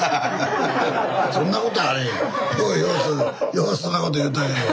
ようそんなこと言うたけど。